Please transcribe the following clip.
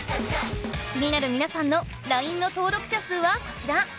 気になる皆さんのＬＩＮＥの登録者数はこちら！